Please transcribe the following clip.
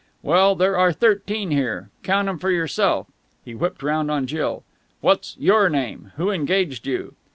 "Well, there are thirteen here. Count 'em for yourself." He whipped round on Jill. "What's your name? Who engaged you?"